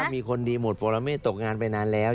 มีคนดีหมดปรเมฆตกงานไปนานแล้ว